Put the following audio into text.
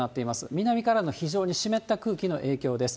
南からの非常に湿った空気の影響です。